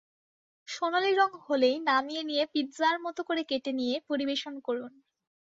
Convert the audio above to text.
সোনালি রং হলেই নামিয়ে নিয়ে পিৎজার মতো করে কেটে নিয়ে পরিবেশন করুন।